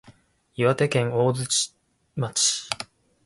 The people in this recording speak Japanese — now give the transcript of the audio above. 岩手県大槌町